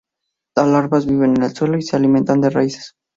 Las larvas viven en el suelo y se alimentan de raíces.